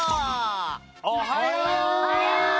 おはよう！